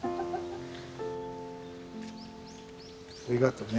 ありがとうね。